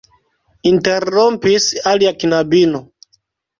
interrompis alia knabino.